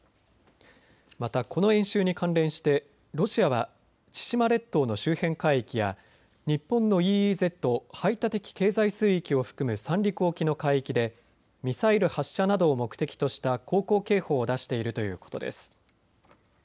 また、この演習に関連してロシアは千島列島の周辺海域や日本のＥＥＺ・排他的経済水域を含む三陸沖の海域でミサイル発射などを目的とした航行警報を出しているということです。